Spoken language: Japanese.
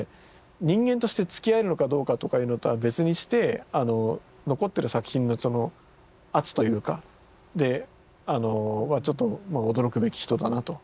人間としてつきあえるのかどうかとかいうのとは別にして残ってる作品の圧というかでちょっと驚くべき人だなと。